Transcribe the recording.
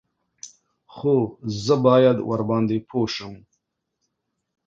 _خو زه بايد ورباندې پوه شم.